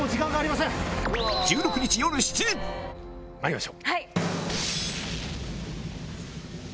まいりましょう。